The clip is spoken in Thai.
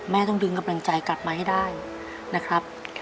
ต้องดึงกำลังใจกลับมาให้ได้นะครับ